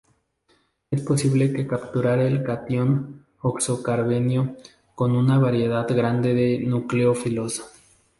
Es posible de capturar el catión oxo-carbenio con una variedad grande de nucleófilos.